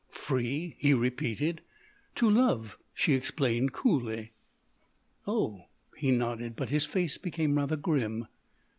"Free?" he repeated. "To love," she explained coolly. "Oh." He nodded, but his face became rather grim.